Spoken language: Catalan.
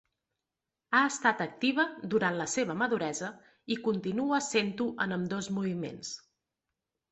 Ha estat activa durant la seva maduresa i continua sent-ho en ambdós moviments.